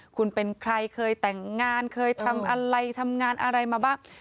คุณเป็นใครเคยแต่งงานเคยทำอะไรทำงานอะไรมาบ้าง